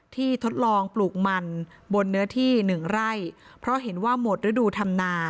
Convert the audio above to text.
ทดลองปลูกมันบนเนื้อที่หนึ่งไร่เพราะเห็นว่าหมดฤดูธรรมนา